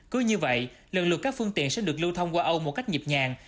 cứ như vậy lần lượt các phương tiện sẽ được lưu thông qua âu một cách nhịp nhàng